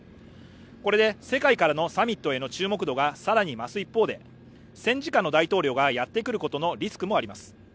これで世界からのサミットへの注目度が更に増す一方で戦時下の大統領がやってくることのリスクもあります。